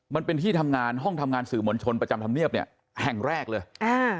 มันเป็นที่ทำงานห้องทำงานสื่อมวลชนประจำธรรมเนียบเนี่ยแห่งแรกเลยอ่า